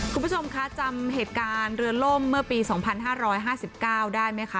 คุณผู้ชมคะจำเหตุการณ์เรือล่มเมื่อปี๒๕๕๙ได้ไหมคะ